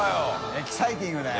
エキサイティングだよ。